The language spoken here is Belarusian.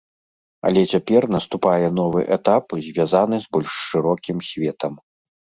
Але цяпер наступае новы этап, звязаны з больш шырокім светам.